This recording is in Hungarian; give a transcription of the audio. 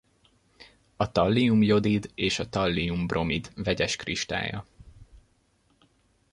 A tallium-jodid és a tallium-bromid vegyes kristálya.